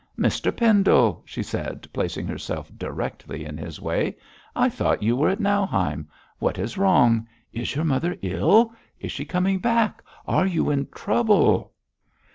'Mr Pendle!' she said, placing herself directly in his way, 'I thought you were at Nauheim. What is wrong? Is your mother ill? Is she coming back? Are you in trouble?'